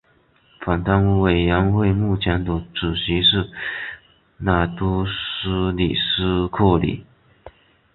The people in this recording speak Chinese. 反贪污委员会目前的主席是拿督斯里苏克里。